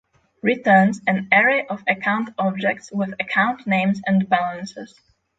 Returns an array of account objects with account names and balances